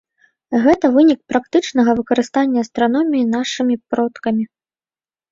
Гэта вынік практычнага выкарыстання астраноміі нашымі продкамі.